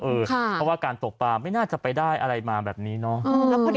เพราะว่าการตกปลาไม่น่าจะไปได้อะไรมาแบบนี้เนาะ